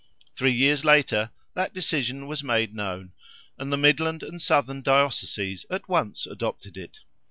Three years later, that decision was made known, and the midland and southern dioceses at once adopted it.